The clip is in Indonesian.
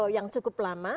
yang cukup lama